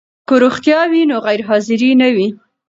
که روغتیا وي نو غیر حاضري نه وي.